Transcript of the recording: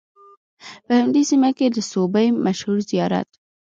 په همدې سیمه کې د سوبۍ مشهور زیارت